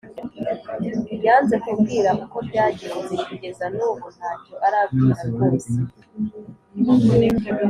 Yanze kubwira uko byagenze kugeza nubu ntacyo arabwira rwose